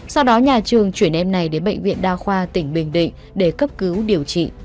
sau đó nhà trường chuyển em này đến bệnh viện đa khoa tỉnh bình định để cấp cứu điều trị